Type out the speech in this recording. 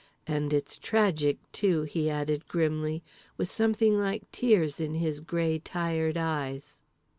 And it's tragic, too," he added grimly, with something like tears in his grey, tired eyes.